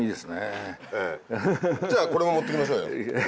じゃあこれも持って行きましょうよ。